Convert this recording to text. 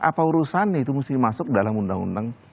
apa urusannya itu mesti masuk dalam undang undang